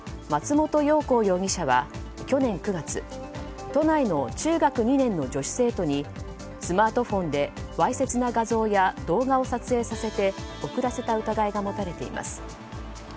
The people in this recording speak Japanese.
松本暢亘容疑者は去年９月都内の中学２年の女子生徒にスマートフォンでわいせつな画像や動画を撮影させて送らせた疑いが持たれています。